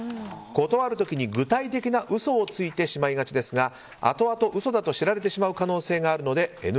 断る時に具体的な嘘をついてしまいがちですがあとあと、嘘だと知られてしまう可能性があるのでＮＧ。